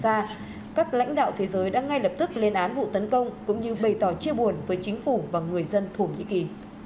ngoài ra các lãnh đạo thế giới đã ngay lập tức lên án vụ tấn công cũng như bày tỏ chia buồn với chính phủ và người dân thổ nhĩ kỳ